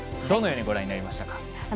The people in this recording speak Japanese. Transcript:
どのようにご覧になりましたか。